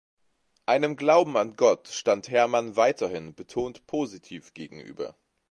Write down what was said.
Einem Glauben an Gott stand Herrmann weiterhin betont positiv gegenüber.